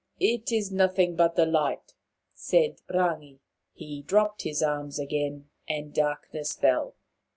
It is nothing but the light," said Rangi. He dropped his arms again and darkness fell.